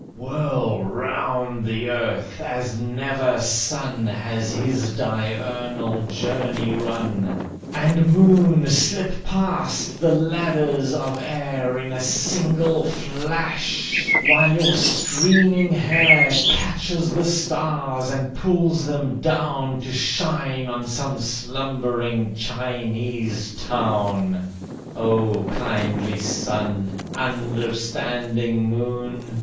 Whirl round the earth as never sun Has his diurnal journey run. And, Moon, slip past the ladders of air In a single flash, while your streaming hair Catches the stars and pulls them down To shine on some slumbering Chinese town. O Kindly Sun! Understanding Moon!